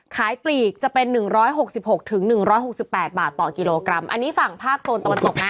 ปลีกจะเป็น๑๖๖๑๖๘บาทต่อกิโลกรัมอันนี้ฝั่งภาคโซนตะวันตกนะ